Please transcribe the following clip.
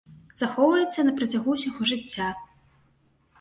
Захоўваецца на працягу ўсяго жыцця.